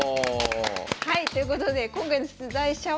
はいということで今回の出題者は糸谷先生ですね。